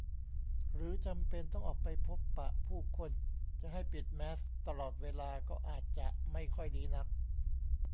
หรือจำเป็นต้องออกไปพบปะผู้คนจะให้ปิดแมสก์ตลอดเวลาก็อาจจะไม่ค่อยดีนัก